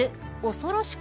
恐ろしく